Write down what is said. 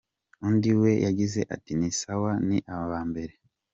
Undi we yagize ati :”ni sawa, ni abambere.